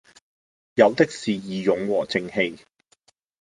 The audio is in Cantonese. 有的是義勇和正氣。